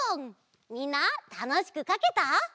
みんなたのしくかけた？